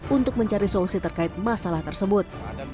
untuk mencari solusi terkait masalah tersebut